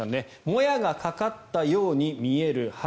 もやがかかったように見える。